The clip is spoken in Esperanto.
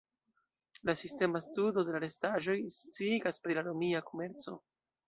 La sistema studo de la restaĵoj sciigas pri la romia komerco.